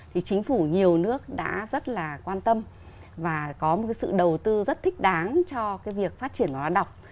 thì chính phủ nhiều nước đã rất là quan tâm và có một cái sự đầu tư rất thích đáng cho cái việc phát triển văn hóa đọc